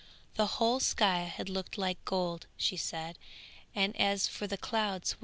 The whole sky had looked like gold, she said, and as for the clouds!